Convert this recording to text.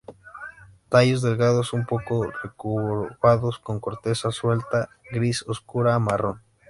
Tallos delgados, un poco recurvados, con corteza suelta, gris oscura a marrón.